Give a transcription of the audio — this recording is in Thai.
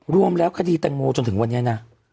รวมแล้วคดีแตงโมจนถึงวันนี้นะ